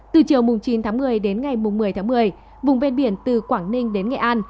từ chiều mùng chín tháng một mươi đến ngày mùng một mươi tháng một mươi vùng bên biển từ quảng ninh đến nghệ an